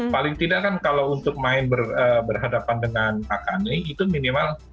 paling tidak kan kalau untuk main berhadapan dengan akane itu minimal